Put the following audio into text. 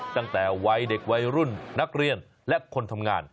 ตั้งแต่วัยเด็กวัยรุ่นนักเรียนและคนทำงาน